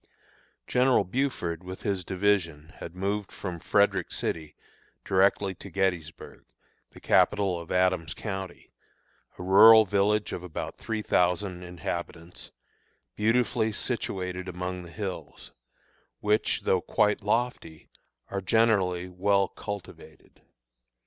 General Buford, with his division, had moved from Frederick City directly to Gettysburg, the capital of Adams County, a rural village of about three thousand inhabitants, beautifully situated among the hills, which, though quite lofty, are generally well cultivated.